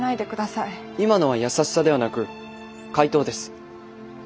今のは優しさではなく回答です。